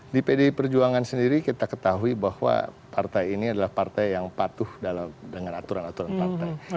di pdi perjuangan sendiri kita ketahui bahwa partai ini adalah partai yang patuh dengan aturan aturan partai